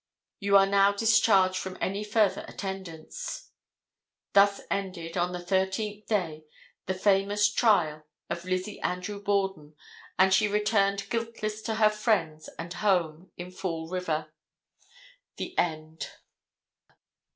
You are now discharged from any further attendance. Thus ended, on the thirteenth day, the famous trial of Lizzie Andrew Borden, and she returned guiltless to her friends and home in Fall River. THE END.